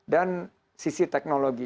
dan sisi teknologi